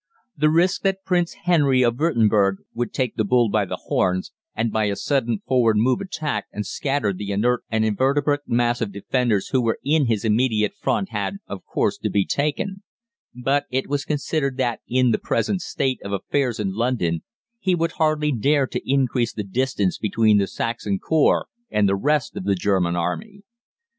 The risk that Prince Henry of Würtemberg would take the bull by the horns, and by a sudden forward move attack and scatter the inert and invertebrate mass of 'Defenders' who were in his immediate front had, of course, to be taken; but it was considered that in the present state of affairs in London he would hardly dare to increase the distance between the Saxon Corps and the rest of the German Army.